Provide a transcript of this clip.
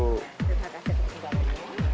terima kasih bu